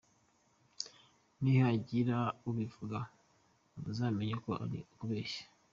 Nihagira ubivuga muzamenye ko ari kubeshya.